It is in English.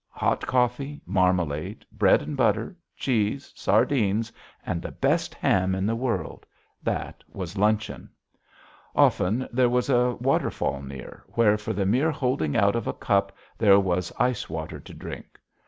Hot coffee, marmalade, bread and butter, cheese, sardines, and the best ham in the world that was luncheon. Often there was a waterfall near, where for the mere holding out of a cup there was ice water to drink.